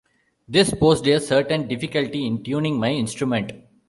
This posed a certain difficulty in tuning my instrument.